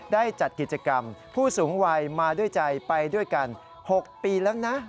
ได้จัดกิจกรรมผู้สูงวัยมาด้วยใจไปด้วยกัน๖ปีแล้วนะ